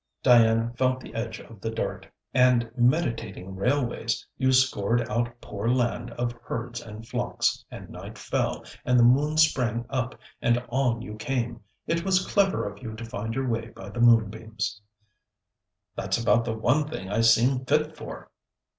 Diana felt the edge of the dart. 'And meditating railways, you scored our poor land of herds and flocks; and night fell, and the moon sprang up, and on you came. It was clever of you to find your way by the moonbeams.' 'That's about the one thing I seem fit for!'